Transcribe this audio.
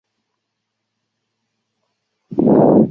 商朝的官职大致以宗教官员为主。